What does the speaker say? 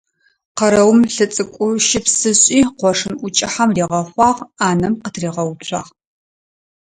Къэрэум лыцӀыкӀущыпс ышӀи, къошын ӀукӀыхьэм ригъэхъуагъ, Ӏанэм къытригъэуцуагъ.